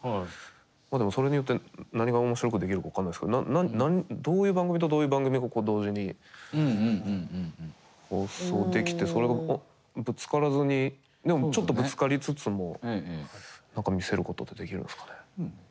でもそれによって何が面白くできるか分からないですけどどういう番組とどういう番組が同時に放送できてそれがぶつからずにでもちょっとぶつかりつつも何か見せることってできるんですかね。